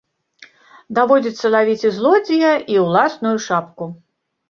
Даводзіцца лавіць і злодзея, і ўласную шапку.